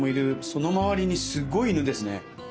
その周りにすごい犬ですね。